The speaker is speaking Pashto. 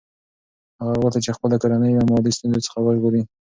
هغه غوښتل چې خپله کورنۍ له مالي ستونزو څخه وژغوري.